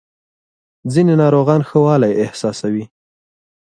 ځینې ناروغان ښه والی احساسوي.